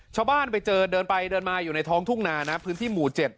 ชาวบ้านไปเจอเดินไปเดินมาอยู่ในท้องทุ่งนานะพื้นที่หมู่๗